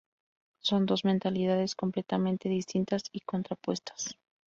Son dos mentalidades completamente distintas y contrapuestas.